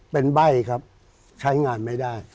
เป็นใบ้ครับใช้งานไม่ได้